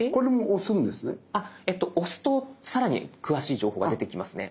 押すとさらに詳しい情報が出てきますね。